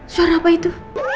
suara apa itu